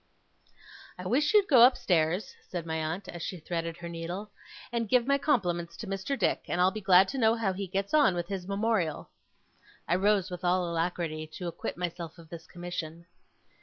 'I wish you'd go upstairs,' said my aunt, as she threaded her needle, 'and give my compliments to Mr. Dick, and I'll be glad to know how he gets on with his Memorial.' I rose with all alacrity, to acquit myself of this commission.